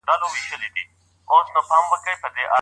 د تفريق تفصيلي بحث چيرته ذکر سوی دی؟